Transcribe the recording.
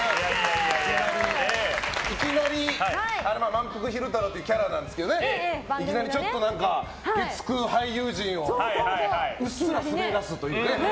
まんぷく昼太郎というキャラなんですけどいきなり月９俳優陣をうっすら滑らすというね。